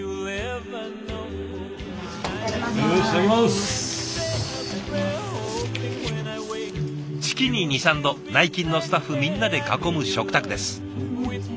月に２３度内勤のスタッフみんなで囲む食卓です。